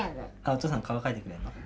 お父さんの顔描いてくれるの？